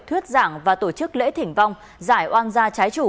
thuyết giảng và tổ chức lễ thỉnh vong giải oan gia trái chủ